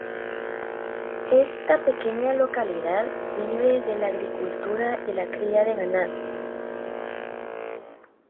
Esta pequeña localidad vive de la agricultura y la cría de ganado.